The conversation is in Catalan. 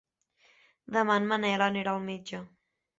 Demà en Manel anirà al metge.